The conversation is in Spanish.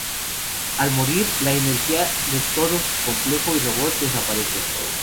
Al morir, la energía de todo su complejo y robots desaparece.